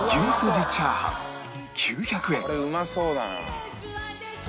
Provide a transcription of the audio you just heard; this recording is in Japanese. これうまそうだな。